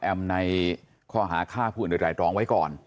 แอมในคอหาค่าผู้อื่นหรือรายตรองไว้ก่อน